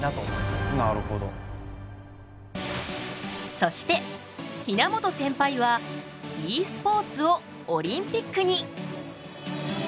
そして比奈本センパイは「ｅスポーツをオリンピックに」。